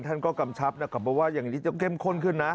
ท่านก็กำชับนะครับบอกว่าอย่างนี้จะเข้มข้นขึ้นนะ